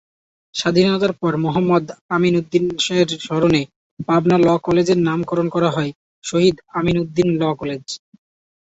স্বাধীনতার পর মুহাম্মদ আমিনউদ্দিনের স্মরণে পাবনা ল’ কলেজের নামকরণ হয় শহীদ আমিনউদ্দিন ল’ কলেজ।